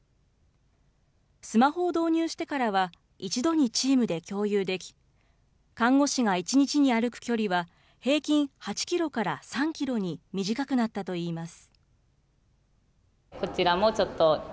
スマホを導入してからは、一度にチームで共有でき、看護師が１日に歩く距離は、平均８キロから３キロに短くなったといいます。